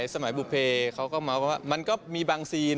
สมัยบุภเพมันก็มีบางซีน